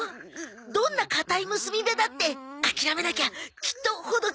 どんな固い結び目だって諦めなきゃきっとほどけるさ！